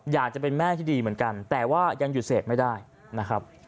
อยากจะเป็นแม่ที่ดีเหมือนกันแต่ว่ายังหยุดเสพไม่ได้นะครับ